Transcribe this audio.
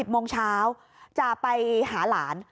โมงเช้าจะไปหาหลาน